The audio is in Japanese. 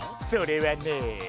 それはね。